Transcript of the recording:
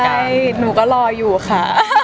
ใช่หนูก็รออยู่ค่ะ